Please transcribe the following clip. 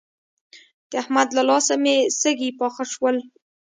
د احمد له لاسه مې سږي پاخه شول.